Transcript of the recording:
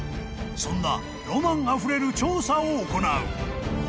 ［そんなロマンあふれる調査を行う］